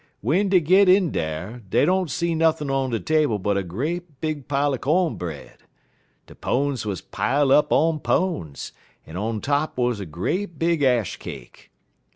W'en dey git in dar, dey don't see nothin' on de table but a great big pile er co'n bread. De pones was pile up on pones, en on de top wuz a great big ash cake.